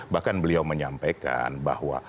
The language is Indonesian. bahkan beliau menyampaikan bahwa